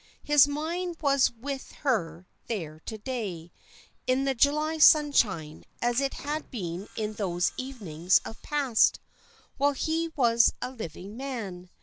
His mind was with her there to day, in the July sunshine, as it had been in those evenings of the past, while he was a living man.